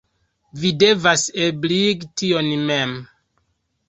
Vi devas ebligi tion mem.